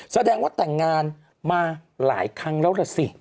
แสดงว่าแต่งงานมาหลายครั้งแล้วล่ะสิ